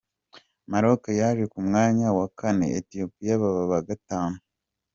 Maroc yaje ku mwanya wa kane, Ethiopia baba aba gatanu, Mauritius iba iya Gatandatu.